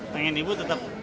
pengen ibu tetap